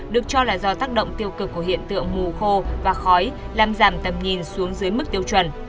được cho là do tác động tiêu cực của hiện tượng mù khô và khói làm giảm tầm nhìn xuống dưới mức tiêu chuẩn